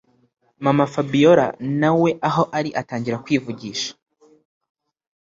mama fabiora nawe aho ari atangira kwivugisha